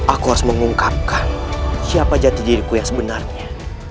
aku harus mengungkapkan siapa jati diriku yang sebenarnya